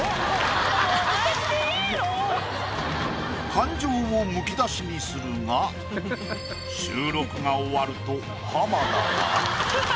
感情をむき出しにするが収録が終わると浜田が。